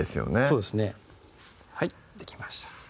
そうですねはいできました